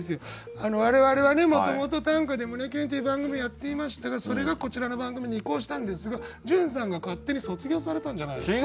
我々はもともと「短歌ｄｅ胸キュン」っていう番組をやっていましたがそれがこちらの番組に移行したんですが潤さんが勝手に卒業されたんじゃないですか。